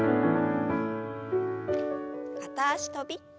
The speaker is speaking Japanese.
片脚跳び。